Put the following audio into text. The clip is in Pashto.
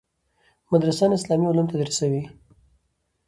مدرسان اسلامي علوم تدریسوي.